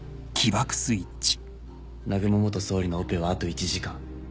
南雲元総理のオペはあと１時間。